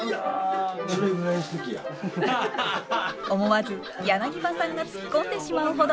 思わず柳葉さんがツッコんでしまうほど。